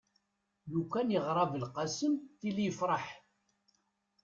lukan yeɣra belqsem tili yefreḥ